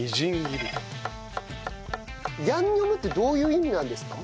「ヤンニョム」ってどういう意味なんですか？